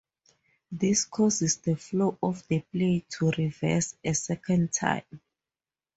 This causes the flow of the play to "reverse" a second time.